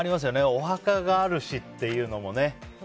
お墓があるしっていうのもね。